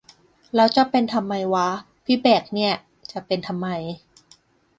แล้วจะเป็นทำไมวะ พี่แบ่คเนี่ย จะเป็นทำไม